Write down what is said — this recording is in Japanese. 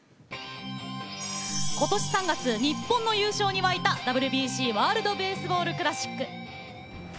今年３月、日本の優勝に沸いたＷＢＣ＝ワールド・ベースボール・クラシック。